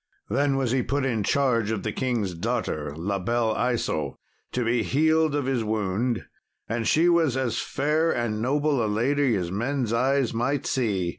Then was he put in charge of the king's daughter, La Belle Isault, to be healed of his wound, and she was as fair and noble a lady as men's eyes might see.